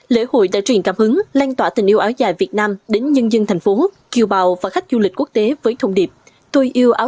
lễ hội đã truyền cảm hứng lanh tỏa tình yêu áo dài việt nam đến nhân dân thành phố